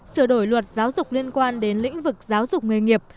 sửa đổi luật giáo dục liên quan đến lĩnh vực giáo dục nghề nghiệp